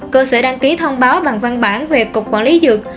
cơ sở đăng ký thông báo bằng văn bản về cục quản lý dược